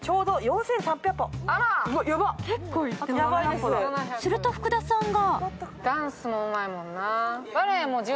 すると福田さんが